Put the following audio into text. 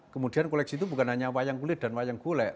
kemudian koleksi itu bukan hanya wayang kulit dan wayang gulek